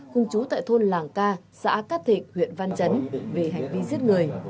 cùng chú tại thôn làng ca xã cát thịnh huyện văn chấn về hành vi giết người